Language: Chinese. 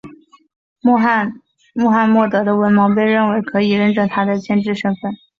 穆罕默德的文盲被认为可以认证他的先知身份。